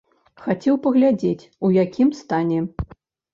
Хацеў паглядзець, у якім стане.